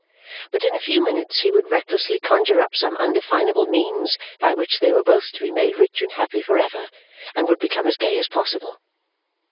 But in a few minutes he would recklessly conjure up some undefinable means by which they were both to be made rich and happy for ever, and would become as gay as possible.